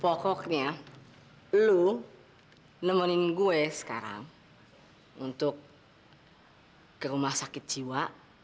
pokoknya lu nemenin gue sekarang untuk ke rumah sakit jiwa